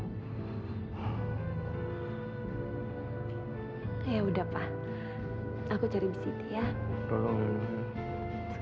ya udah pak